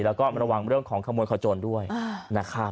แล้วก็ระวังเรื่องของขโมยขโจรด้วยนะครับ